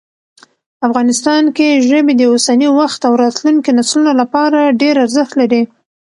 افغانستان کې ژبې د اوسني وخت او راتلونکي نسلونو لپاره ډېر ارزښت لري.